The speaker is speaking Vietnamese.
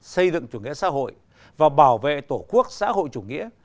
xây dựng chủ nghĩa xã hội và bảo vệ tổ quốc xã hội chủ nghĩa